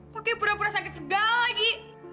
pakai pura pura sakit segala lagi